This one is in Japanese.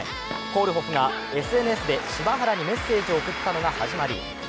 コールホフがＳＮＳで柴原にメッセージを送ったのが始まり。